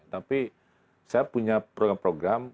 tapi saya punya program program